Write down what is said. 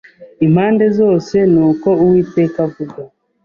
impande zose Ni ko Uwiteka avuga